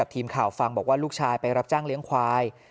ทีมข่าวฟังบอกว่าลูกชายไปรับจ้างเลี้ยงควาย